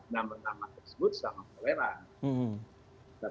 nama nama tersebut sangat toleran